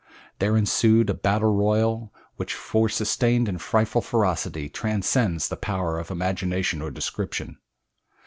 There ensued a battle royal which for sustained and frightful ferocity transcends the power of imagination or description.